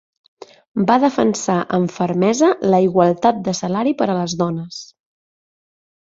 Va defensar amb fermesa la igualtat de salari per a les dones.